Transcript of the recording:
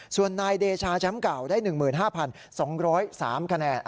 ส่วนนายเดชาแชมป์เก่าได้๑๕๒๐๓คะแนน